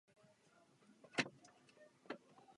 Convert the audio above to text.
Zúčastnil se také britského šampionátu.